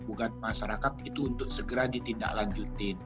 ugat masyarakat itu untuk segera ditindaklanjutin